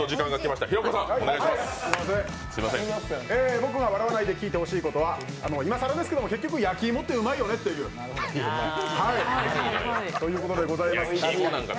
僕が笑わないで聞いてほしいことは、今更ですけど結局、やきいもってうまいよねってことでございます。